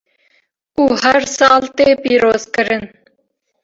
û her sal tê pîrozkirin.